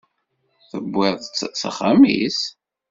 Tewwiḍ-tt s axxam-is?